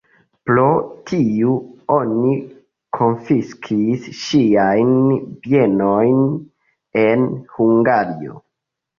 Pro tiu oni konfiskis ŝiajn bienojn en Hungario.